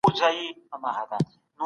ښځي هم باید د یو بل سپکاوی ونه کړي.